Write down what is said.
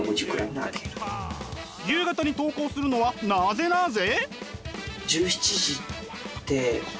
夕方に投稿するのはなぜなぜ？